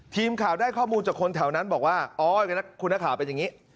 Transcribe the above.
ทีมข่าวได้ข้อมูลจากคนแถวนั้นบอกว่าโอ๊ยคุณนักข่าวเป็นอย่างนี้